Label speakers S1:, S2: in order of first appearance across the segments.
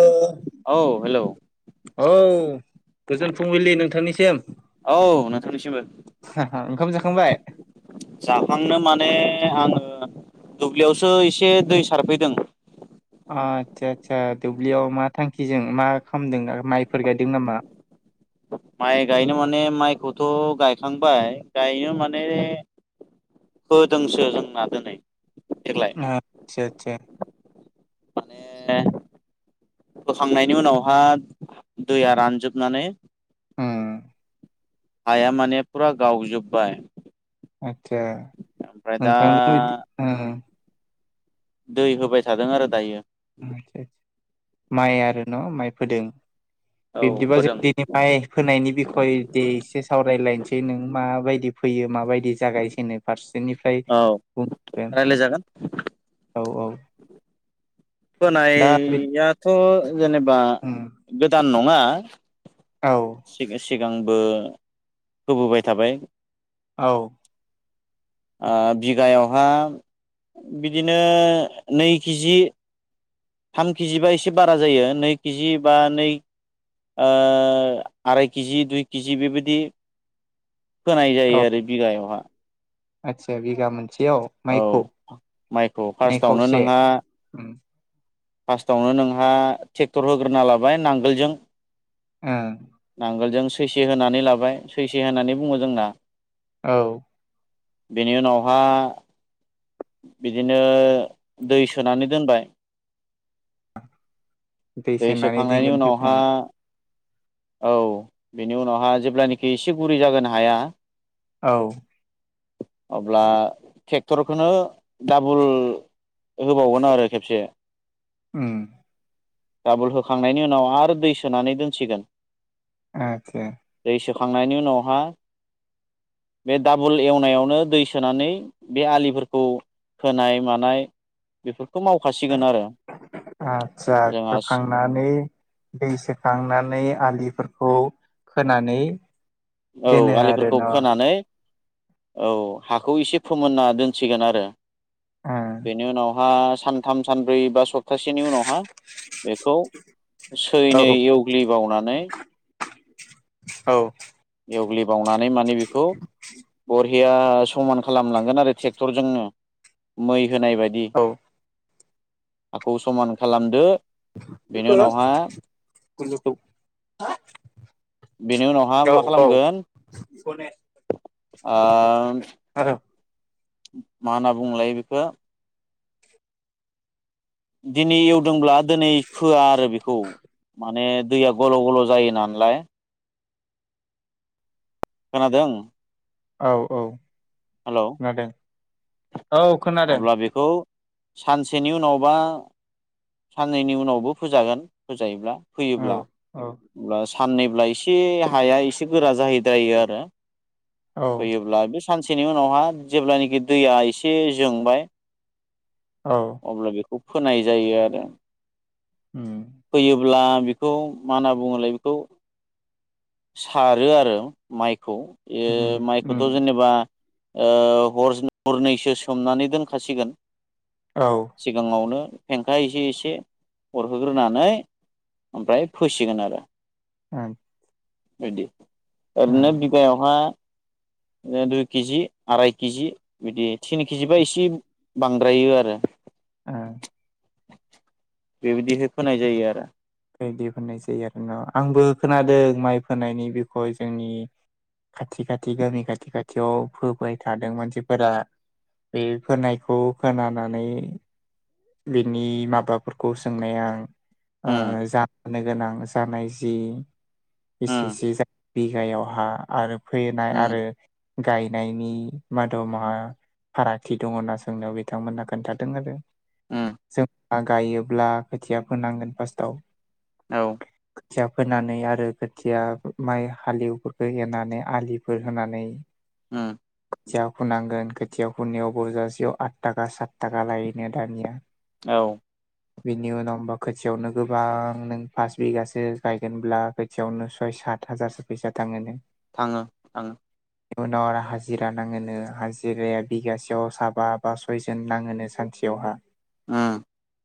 S1: ओ
S2: औ हेलौ
S1: औ गोजोन फुंबिलि नोंथांनिसिम।
S2: औ नोंथांनिसिमबो।
S1: ओंखाम जाखांबाय
S2: जाखांनो माने आङो दुब्लियावसो एसे दै सारफैदों।
S1: आदसा आदसा दुब्लियाव मा थांखिजों मा खामदों आरो माइफोर गायदों नामा?
S2: माइ गायनो माने माइखौथ' गायखांबाय गायनो माने होदोंसो जोंना दोनै।
S1: आदसा सा।
S2: माने बोखांनायनि उनावहा दैया रानजोबनानै
S1: उम
S2: हाया माने फुरा गावजोबबाय।
S1: आदसा नोंथांदों बिदि ओ।
S2: दै होबाय थादों आरो दायो।
S1: आदसा सा माइ आरो न' माइ फोदों।
S2: औ
S1: बिब्दिबा जों
S2: फोदों
S1: दिनै माइ फोनायनि बिखयदि एसे सावरायलायनोसै नों माबायदि फोयो माबायदि जागाय जेनो फारसेनिफ्राय
S2: औ
S1: बुं गोन।
S2: रायलायजागोन
S1: औ औ। दा
S2: फोनायाथ' जेनेबा गोदान नङा
S1: औ।
S2: सिगांबो होबोबाय थाबाय।
S1: औ।
S2: ओ बिगायावहा बिदिनो नै केजि थाम केजि बा एसे बारा जायो नै केजि बा नै ओ आराय केजि दुइ केजि बेबायदि फोनाय जायो आरो बिगायावहा।
S1: आतसा बिगा मोन
S2: औ माइखौ
S1: नै
S2: फार्स्टावनो
S1: खावसे
S2: नोंहा
S1: उम
S2: फार्स्टावनो नोंहा ट्रेक्टर होग्रोना लाबाय नांगोलजों
S1: ओं
S2: नांगोलजों सैसे होनानै लाबाय सैसे होनानै बुङो जोंना।
S1: औ।
S2: बेनि उनावहा बिदिनो दै सोनानै दोनबाय।
S1: दै सोननानै
S2: सोखांनायनि
S1: दोनगोन
S2: उनावहा
S1: फोखांना।
S2: औ बेनि उनावहा जेब्लानेखि एसे गुरै जागोन हाया
S1: औ।
S2: अब्ला ट्रेक्टरखौनो डाबोल। होबावगोन आरो खेबसे।
S1: उम।
S2: डाबोल होखांनायनि उनाव आरो दै सोनानै दोनसिगोन।
S1: आदसा।
S2: खांनायनि उनावहा। बे डाबोल एवनायावनो दै सोनानै बे आलिफोरखौ। खोनाय मानाय बेफोर
S1: आदसा
S2: जोंहा
S1: खोखांनानै दै सोखांनानै आलिफोरखौ फोनानै
S2: औ आलिफोरखौ खोनानै औ हाखौ एसे फोमोनना दोनसिगोन आरो बेनि उनाव हा सानथाम सानब्रै बा सप प्तासेनि उनावहा बेखौ
S1: ओ औ
S2: सैनै एवग्लिबावनानै
S1: औ।
S2: एवग्लिबावनानै माने बेखौ बर रिया समान खालामलांगोन आरो ट्रेक्टरजोंनो मै होनाय बायदि।
S1: औ
S2: खौ समान खालामदो बेनि उनावहा बेनि उनावहा माख
S1: औ खने
S2: ओ
S1: आ आ।
S2: मा होनना बुंलायो बेखो? दिनै एवदोंब्ला दिनै फोआ आरो बेखौ। माने दैया गल' गल' जायो नालाय। खोनादों?
S1: औ औ।
S2: हेलौ।
S1: खोनादों औ खोनादों।
S2: अब्ला बेखौ सानसेनि उनावबा साननैनि उनावबो फोजागोन फोजायोब्ला।
S1: औ
S2: फैयोब्ला
S1: औ
S2: मब्ला फाननैब्ला एसे हाया एसे गोरा जाहैद्रायो आरो
S1: औ
S2: फैयोब्ला बे सानसेनि उनावहा जेब्लानाखि दैया एसे जोंबाय।
S1: औ
S2: अब्ला बेखौ फोनाय जायो आरो
S1: उम
S2: फोयोब ब्ला बेखौ मा होनना बुंङोलाय बेखौ सारो आरो माइख खौ ए
S1: उम उम
S2: माइखौथ' जेनेबा ओ हर हरनैसो समोमनानै दोनखासिगोन
S1: औ
S2: सिगांङावनो। फेंखा एसे एसे अरहोग्रोनानै ओमफ्राय फोसिगोन आरो।
S1: उम।
S2: बिदि ओरैनो बिगायावहाय। ओ दुइ केजि आराय केजि बिदि थिन केजिबा इसेफ बांद्रायो आरो।
S1: उम।
S2: बेबायदिहै फोनाय जायो आरो।
S1: ओइ बख होननाय जायो आरो ना आंबो खोनादों माइ फोनायनि बिखय जोंनि खाथि खाथि गामि खाथि खाथियाव फोबाय थादों मानसिफोरा। बे फोनायखौ खोनानानै। बिनि माबाफोरखौ सोंनाया आ
S2: उम
S1: जानो गोनां जानाय जि
S2: उम
S1: इसेसे जा बिगायावहा आरो फैनाय
S2: उम
S1: आरो गायनायनि माद माहा फाराखथि दं होनना सोंनायाव बिथांमोना खोन्थादों आरो
S2: उम
S1: जोंहा गायोब्ला खोथिया फोनांगोन फार्स्टआव
S2: औ
S1: खोथिया फोनानै आरो खोथिया माइ हालेवफोरखौ एनानै आलिफोर होनानै
S2: ओम
S1: खोथिया फुनांगोन खोथिया फुनायाव बजासेयाव आथ थाखा सात थाखा लायोनो दानिया
S2: औ
S1: बिनि उनाव होमबा खोथियावनो गोबां नों फास बिगासो गायगोनब्ला खोथियावनो सय साथ आत हाजारसो फैसा थाङोनो
S2: थाङो थाङो
S1: उनाव आरो हाजिरा नाङोनो हाजिराया बिगासेयाव साबा बा सयजन नाङोनो सानसे यावहा
S2: ओम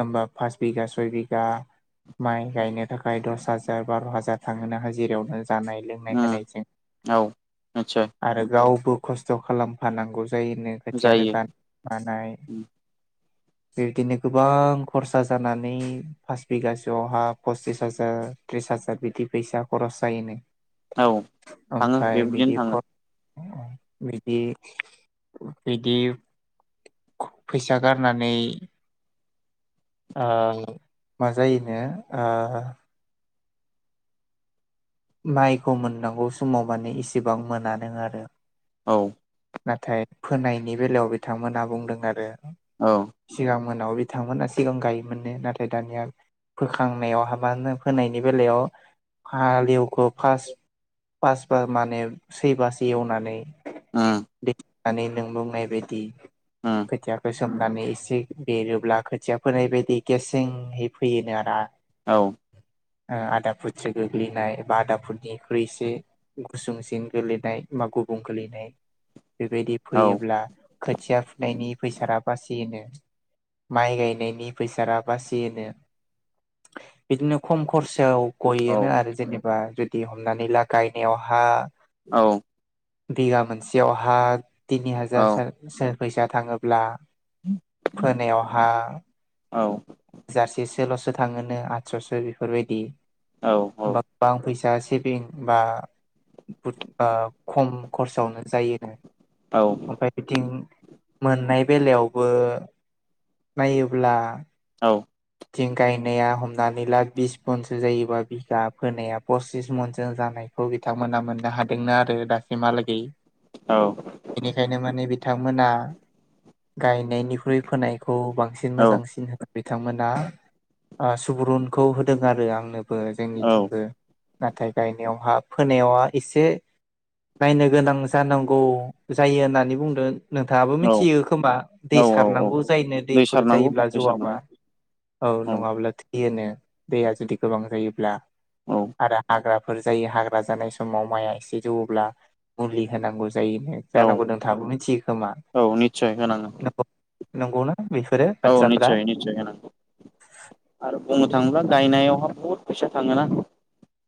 S1: होमबा फास बिगा सय बिघा माइ गायनो थाखाय दस हाजार बार' हाजार थाङोन ना हाजिरायावनो जानाय लोंनाय
S2: उम
S1: होनायजों
S2: औ निस्सय
S1: आरो गावबो खस्थ' खालामफानांगौ जायनो खोथिया रो
S2: जायो
S1: गानाय मानाय
S2: उम
S1: बिदिनो गोबां खरसा जानानै फास बिगासोआवहा पसिस हाजार त्रिस पास हाजार बिदि फैसा खरस जायोनो
S2: औ थाङो
S1: ओमफफ्राय
S2: बेबायदिनो
S1: बिदि
S2: थाङो
S1: बिदि बिदि फैसा गारनानै ओ मा जायोनो ओ माइखौ मोननांगौ समाव माने इसेबां मोनानो आरो
S2: औ
S1: नाथाय फोनायनि बेलायाव बिथांमोनहा बुंदों आरो
S2: औ
S1: सिगां मोनाव बिथांमोना सिगां गायोमोननो नाथाय दानिया फोखांनायाव हाबा होन फोनायनि बेलायाव हालेव खौ फास फारबा माने सैबास एवनानै
S2: ओम
S1: माने नों बुंनाय बायदि
S2: उम
S1: खोथियाखौ सोमनानै एसे बेरोब्ला खोथिया फोनाय बायदि गेसेंहै फैयोनो आरो आ
S2: औ
S1: आदा फुथि गोगलिनाय बा आदाफोरनिख्रुइसे गुसुंसिन गोलैनाय बा गुबुं गोलैनाय बेबायदि
S2: औ
S1: फैयोब्ला खोथिया फुनायनि फैसा बासियोनो माइ गायनायनि फैसा बासियोनो बिदिनो खम खरसायाव गयोनो
S2: औ
S1: आरो जेनेबा जुदि हमनानै ला गायनायाव हा
S2: औ
S1: बिगा मोनसेयावहा तिनि
S2: औ
S1: हाजार सोर फैसा थाङोब्ला फोनायावहा
S2: औ
S1: हाजारसेसोल'सो थाङोनो आठस'सो बेफोरबायदि
S2: औ औ
S1: होमबा गोबां फै सा सिबिं बा ब खम खरसआवनो जायोनो
S2: औ
S1: ओमफ्राय बिथिं मोननाय बेलायावबो नायोब्ला
S2: औ
S1: थिं गायनाया हमनानै ला बिस मनसो जायोबा बिगा फोनाया पसिस मनसो जानाय। खौ बिथांमोना मोननो हादोंनो आरो दासिमहालागै। बेनिखायनो माने बिथांमोना गायनायनिख्रुइ फोनाय खौ बांसिन मोजांसिन होनो बिथांमोना ओ सुबुरुनखौ होदों आरो आंनो। बो जोंनिथिंबो नाथाय गायनायावहा फोनायावहा एसे नायनो गोनां जानांगौ जायो होननानै बुंदों। नोंथाङाबो
S2: औ
S1: मिथियो खोमा दै
S2: औ औ औ
S1: सारनांगौ जायनो
S2: दै
S1: दैफोर
S2: सारनांगौ
S1: जायोब्ला
S2: दै
S1: जौवाबा
S2: सारनांगौ
S1: औ नङाब्ला थि होनो दैया जुदि गोबां जायोब्ला
S2: औ
S1: आरो हाग्रा। फोर जायो हाग्रा जानाय समाव माइआ एसे जौवोब्ला मुलि होनांगौ। जायो
S2: औ
S1: जानांगौ नोंथाङाबो मिथि
S2: औ निस्सय होनाङो।
S1: नंगौना बेफोरो
S2: औ
S1: बाथ्राफोरा
S2: निस्सय निस्सय होनांगौ। आरो बुंनो थाङोब्ला गायनायावहा बुहुद फैसा थाङोना।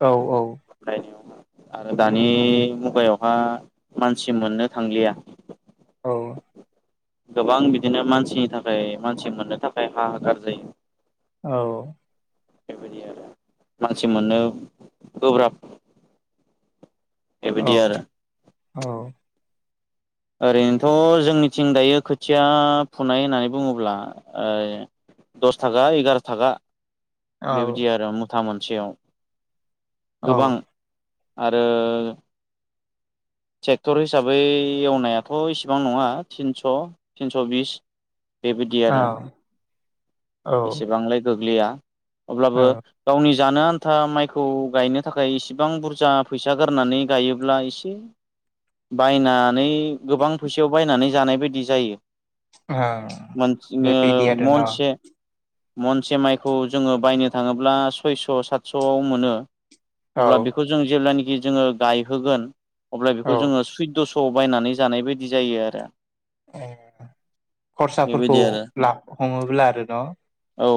S1: औ औ।
S2: फरायनायावहा आरो दानि मुगायावहा मानसि मोननो थांलिया।
S1: औ।
S2: गोबां बिदिनो मानसिनि थाखाय मानसि मोननो थाखाय हा होगार जायो।
S1: औ।
S2: बेबायदि आरो मानसि मोननो गोब्राब।
S1: औ
S2: बेबायदि आरो।
S1: औ।
S2: ओरैनोथ' जोंनिथिं दायो खोथिया फुनाय होननानै बुङोब्ला ओ दस थाखा एगार' थाखा।
S1: औ
S2: बेबायदि आरो मुथा मोनसेयाव
S1: औ
S2: गोबां। आरो। ट्रेक्टर हिसाबै एवनायाथ' इसिबां नङा थिनस' थिनस' बिस। बेबायदि
S1: औ
S2: आरो।
S1: औ
S2: एसेबांलाय गोग्लैया अब्लाबो गावनि जानो आन्था माइखौ गायनो थाखाय इसेबां बुरजा फैसा गारनानै गायोब्ला एसे बायनानै गोबां फैसायाव बायनानै जानाय बायदि जायो।
S1: ओं
S2: मानसिनो
S1: बेबायदि आरो न
S2: महनसे महनसे माइखौ जोङो बायनो थाङोब्ला सयस' सातस'आव मोनो।
S1: औ
S2: अब्ला बेखौ जों जेब्लानिखि जोङो गायहोगोन अब्ला बेखौ
S1: औ
S2: जोङो सुइद्दस ह' आव बायनानै जानाय बायदि जायो आरो।
S1: खरसाफोरखौ
S2: बेबायदि आरो
S1: ब्ला हमोब्ला आरो न'।
S2: औ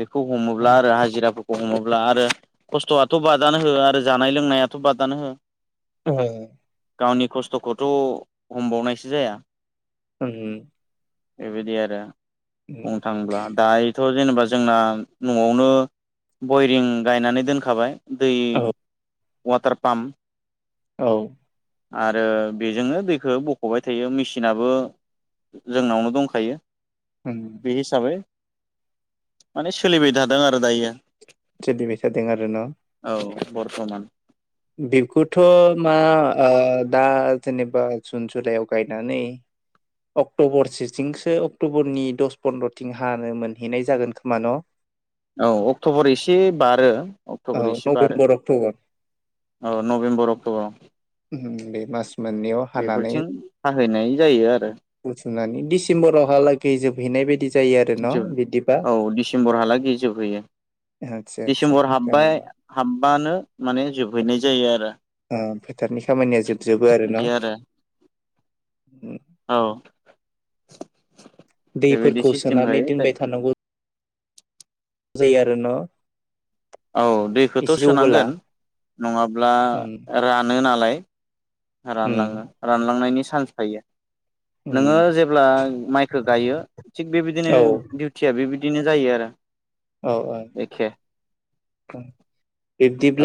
S2: बेखौ हमोब्ला आरो हाजिराफो हमोब्ला आरो खस्थ'आथ' बादानो हो आरो जानाय लोंनायाथ' बादानो हो।
S1: ओ।
S2: गावनि खस्थ'खौथ' हमबावनायसो जाया।
S1: ओम।
S2: बेबायदि आरो बुंनो थाङोब्ला दायो थ' जेनेबा जोंना न'आवनो बयरिं गायनानै दोनखाबाय। दै
S1: औ
S2: अवाटार पाम्फ।
S1: औ।
S2: आरो बेजोंनो दैखौ बख'बाय थायो मेसिनाबो। जोंनावनो दंखायो।
S1: उम
S2: बे हिसाबै माने सोलिबाय थादों आरो दायो।
S1: [unintelligible] आरो न'।
S2: बरथमान।
S1: बेखौथ' मा ओ दा जेनेबा जुन जुलाइयाव गायनानै। अक्ट'बरसेथिंसो अक्ट'बरनि दस पन्द्रथिं हानो मोनहैनाय जागोन खोमा न'
S2: औ अक्ट'बर एसे बारो
S1: औ
S2: अक्ट'बर एसे बारो
S1: नभेम्बर अक्ट'बर
S2: औ नभेम्बर अक्ट'बर।
S1: ओम बे मास मोननैयाव हानानै
S2: बेफोरथिं थाहैनाय जायो आरो।
S1: बुथुमनानै डिसेम्बरावहालागै जोबहैनाय बायदि जायो आरो न' बिदिबा आदसा आदसा
S2: सेम्बर
S1: मोजाङानो
S2: हाब बानो माने जोबहैनाय जायो आरो।
S1: फोथारनि खामानिया जोबजोबो
S2: बिदि
S1: आरोना।
S2: आरो औ बेबायदि
S1: दैफोरखौ
S2: सिस्टेम
S1: सोनानै
S2: हायो।
S1: दोनबाय थानांगौ जायो आरो ना।
S2: औ दैखौथ' सोनांगोन नङाब्ला
S1: उम
S2: रानो नालाय।
S1: उम
S2: रानलाङो रानलांनायनि चान्स थायो।
S1: उम
S2: नोङो जेब्ला माइखौ गायो थिग बेबायदिनो
S1: औ
S2: डिउटिया बेबायदि बिदिनो जायो आरो।
S1: औ औ
S2: एखे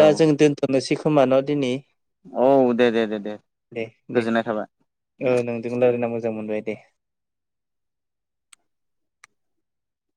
S2: औ
S1: जों दोनथ'नो सि समानाव दिनै
S2: औ दे दे दे दे
S1: दे दे
S2: गोजोननाय थाबाय
S1: नोंजों रायलायना मोजां मोनबाय। द